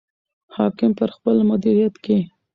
حاکم په خپل مدیریت کې.